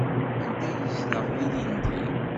Anda ay yezdeɣ ilindi?